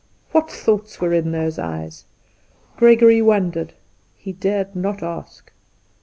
What thoughts were in those eyes? Gregory wondered; he dared not ask.